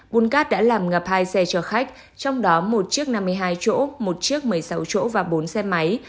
bùn cát đã làm ngập hai xe chở khách trong đó một chiếc năm mươi hai chỗ một chiếc một mươi sáu chỗ và bốn xe máy